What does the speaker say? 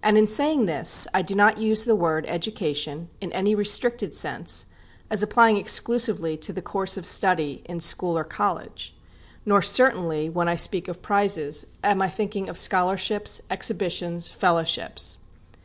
And in saying this I do not use the word education in any restricted sense, as applying exclusively to the course of study in school or college; nor certainly, when I speak of prizes, am I thinking of scholarships, exhibitions, fellowships.